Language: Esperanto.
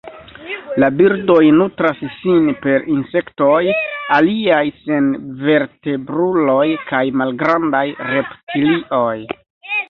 La birdoj nutras sin per insektoj, aliaj senvertebruloj kaj malgrandaj reptilioj.